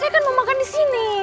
saya kan mau makan di sini